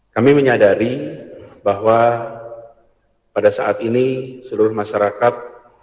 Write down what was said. kami menyadari bahwa pada saat ini seluruh masyarakat